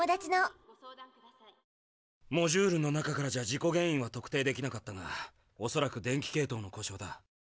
モジュールの中からじゃ事故原因は特定できなかったがおそらく電気系統の故障だ。